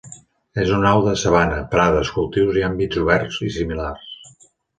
És una au de sabana, prades, cultius i àmbits oberts similars.